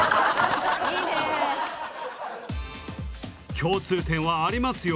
共通点はありますよ？